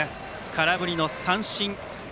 空振り三振。